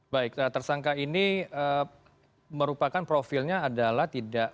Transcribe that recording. baik tersangka ini merupakan profilnya adalah tidak